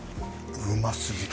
うますぎる。